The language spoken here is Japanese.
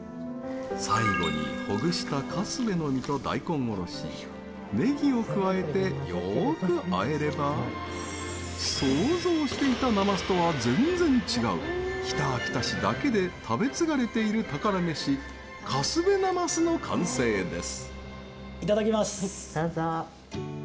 最後に、ほぐしたカスベの身と大根おろし、ねぎを加えてよーくあえれば想像していたなますとは全然違う北秋田市だけで食べ継がれている宝メシ「カスベなます」の完成です。